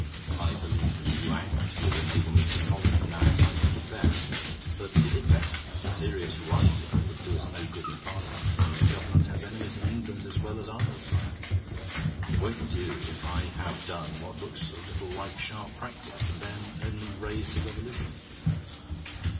I believe the new Act will enable me to collar him now if I think it best. But is it best? A serious rising would do us no good in Parliament, and the government has enemies in England as well as Ireland. It won't do if I have done what looks a little like sharp practice, and then only raised a revolution."